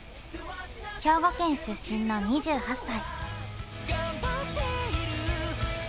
兵庫県出身の２８歳。